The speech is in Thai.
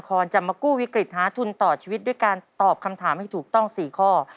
แม่ลำไยจากจังหวัดสกลนครจะมากู้วิกฤตหาทุนต่อชีวิตด้วยการตอบคำถามให้ถูกต้องสี่ข้อ